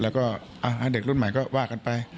แล้วก็เด็กรุ่นใหม่ก็ว่ากันไป